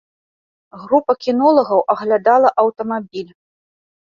Група кінолагаў аглядала аўтамабіль.